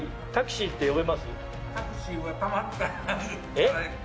えっ？